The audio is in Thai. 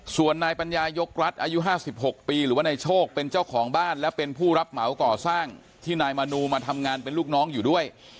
ส่วนนายปัญญายกรัฐอายุ๕๖ปีหรือว่านายโชคเป็นเจ้าของบ้านและเป็นผู้รับเหมาก่อสร้างที่นายมนูมาทำงานเป็นลูกน้องอยู่ด้วย